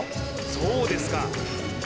そうですか